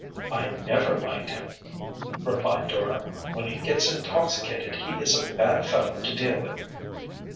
"I never liked him," replied Dora. "When he gets intoxicated he is a bad fellow to deal with."